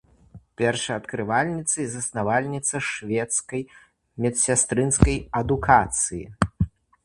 Першаадкрывальніца і заснавальніца шведскай медсястрынскай адукацыі.